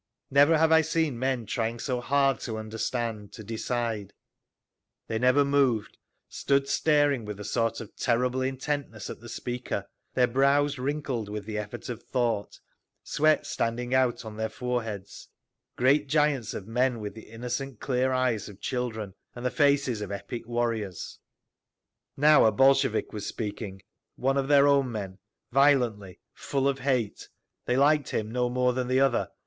Never have I seen men trying so hard to understand, to decide. They never moved, stood staring with a sort of terrible intentness at the speaker, their brows wrinkled with the effort of thought, sweat standing out on their foreheads; great giants of men with the innocent clear eyes of children and the faces of epic warriors…. Now a Bolshevik was speaking, one of their own men, violently, full of hate. They liked him no more than the other.